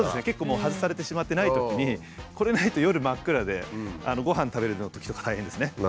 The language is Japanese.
結構外されてしまってないときにこれないと夜真っ暗でごはん食べるときとか大変ですね。